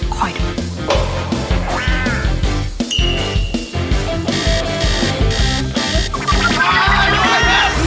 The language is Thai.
คอยดู